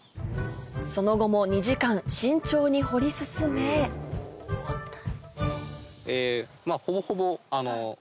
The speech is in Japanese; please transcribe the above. その後も２時間慎重に掘り進めほぼほぼ。